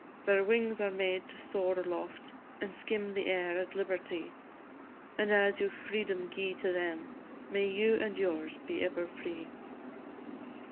Their wings were made to soar aloft, And skim the air at liberty; And as you freedom gi'e to them, May you and yours be ever free!